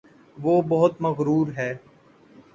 وہ بہت مغرور ہےـ